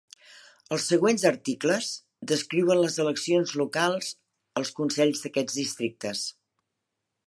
Els següents articles descriuen les eleccions locals als consells d'aquests districtes.